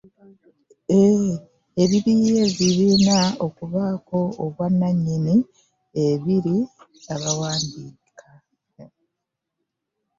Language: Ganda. Ebiyiiye birina okubaako obwannannyini eri ababiwandiika.